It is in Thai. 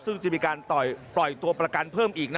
ซึ่งจะมีการปล่อยตัวประกันเพิ่มอีก